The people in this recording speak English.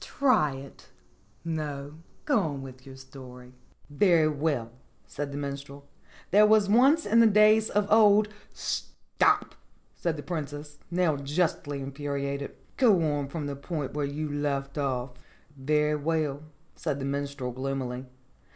Try it. No; go on with the story." "Very well," said the Minstrel. "There was once in the days of old " "Stop!" said the Princess, now justly infuriated. "Go on from the point where you left off." "Very well," said the Minstrel gloomily.